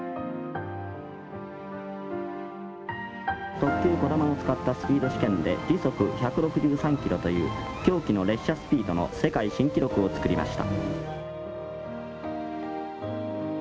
特急こだまを使ったスピード試験で時速１６３キロという狭軌の列車スピードの世界新記録を作りました。